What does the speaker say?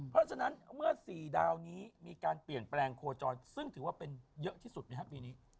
เพราะฉะนั้นเมื่อ๔ดาวนี้มีการเปลี่ยนแปลงโคจรซึ่งถือว่าเป็นเยอะที่สุดไหมครับปีนี้